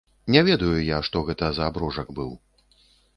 Не ведаю я, што гэта за аброжак быў.